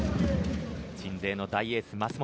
鎮西の大エース舛本。